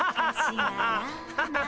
ハハハ。